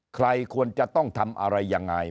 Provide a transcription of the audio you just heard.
ใครควรจะต้องทำอะไรยังไง